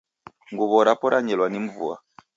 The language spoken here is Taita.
Nguw'o rapo ranyelwa nimvua